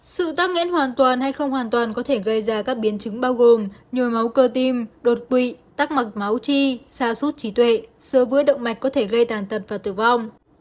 sự tắc nghẽn hoàn toàn hay không hoàn toàn có thể gây ra các biến chứng bao gồm nhồi máu cơ tim đột quỵ tắc mạch máu chi xa suốt trí tuệ sớ với động mạch có thể gây tàn tật và tử vong